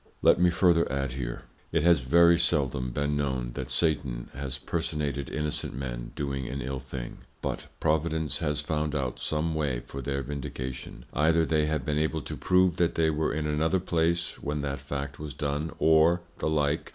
Let me further add here; It has very seldom been known, that Satan has Personated innocent Men doing an ill thing, but Providence has found out some way for their Vindication; either they have been able to prove that they were in another place when that Fact was done, or the like.